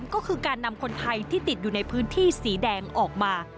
ก็คือการนำคนไทยที่ติดอยู่ในพื้นที่สีแดงออกมา